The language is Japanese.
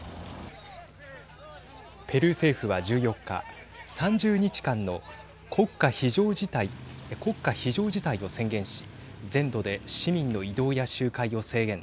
ペルー政府は１４日３０日間の国家非常事態を宣言し、全土で市民の移動や集会を制限。